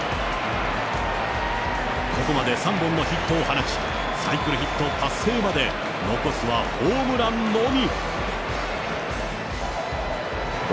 ここまで３本のヒットを放ち、サイクルヒット達成まで残すはホームランのみ。